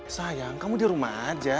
sayang kamu di rumah aja